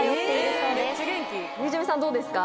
ゆうちゃみさんどうですか？